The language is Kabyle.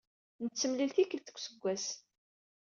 Nettemlil tikkelt deg useggas.